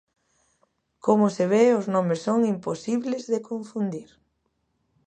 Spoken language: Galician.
Como se ve, os nomes son imposibles de confundir.